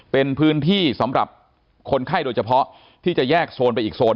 เป็นพื้นที่สำหรับคนไข้โดยเฉพาะที่จะแยกโซนไปอีกโซน